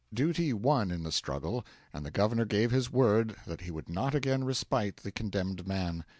Duty won in the struggle, and the Governor gave his word that he would not again respite the condemned man.